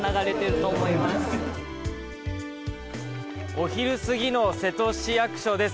お昼過ぎの瀬戸市役所です。